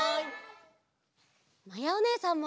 まやおねえさんも！